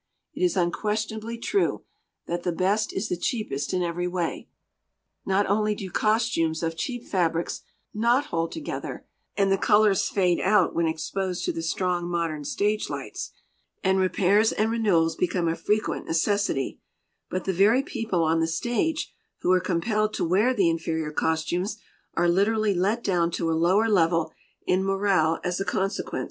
It is unquestionably true that the best is the cheapest in every way. Not only do costumes of cheap fabrics not167 hold together, and the colors fade out when exposed to the strong modern stage lights, and repairs and renewals become a frequent necessity, but the very people on the stage who are compelled to wear the inferior costumes are literally let down to a lower level in morale as a consequence.